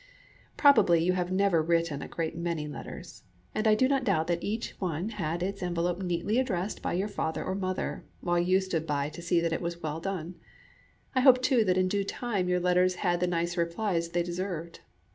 Probably you have never written a great many letters, and I do not doubt that each one had its envelope neatly addressed by your father or mother, while you stood by to see that it was well done. I hope, too, that in due time your letters had the nice replies they deserved.